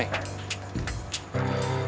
lo kenapa rey